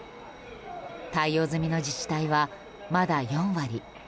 対応済みの自治体は、まだ４割。